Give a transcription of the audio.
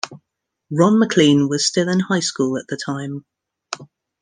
Ron MacLean was still in high school at the time.